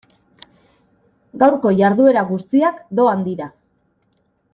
Gaurko jarduera guztiak doan dira.